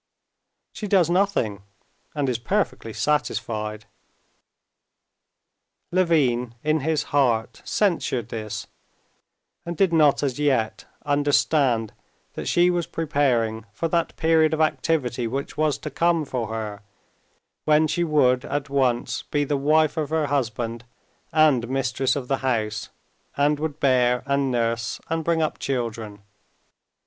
She does nothing, and is perfectly satisfied." Levin, in his heart, censured this, and did not as yet understand that she was preparing for that period of activity which was to come for her when she would at once be the wife of her husband and mistress of the house, and would bear, and nurse, and bring up children.